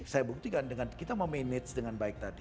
saya buktikan dengan kita memanage dengan baik tadi